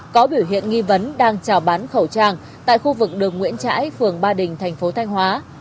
có biểu hiện nghi vấn đang trào bán khẩu trang tại khu vực đường nguyễn trãi phường ba đình thành phố thanh hóa